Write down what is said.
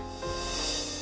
enggak kamu itu gimana sih